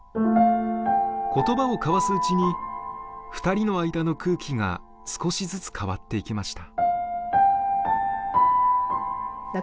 言葉を交わすうちに２人の間の空気が少しずつ変わっていきました。